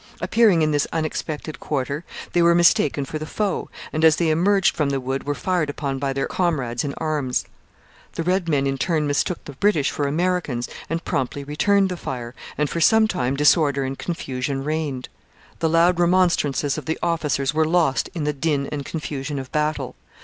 Appearing in this unexpected quarter they were mistaken for the foe, and as they emerged from the wood were fired upon by their comrades in arms. The red men in turn mistook the British for Americans and promptly returned the fire, and for some time disorder and confusion reigned. The loud remonstrances of the officers were lost in the din and confusion of battle.